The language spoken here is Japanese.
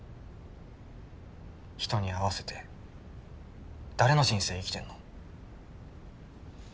人に合わせて誰の人生生きてんの？